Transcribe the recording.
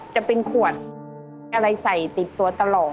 จะเป็นขวดอะไรใส่ติดตัวตลอด